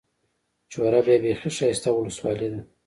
چوره بيا بېخي ښايسته اولسوالي ده.